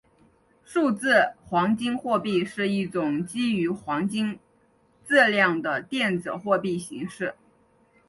数字黄金货币是一种基于黄金质量的电子货币形式。